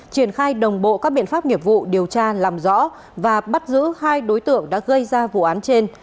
triển khai đồng bộ các biện pháp nghiệp vụ điều tra làm rõ và bắt giữ hai đối tượng đã gây ra vụ án trên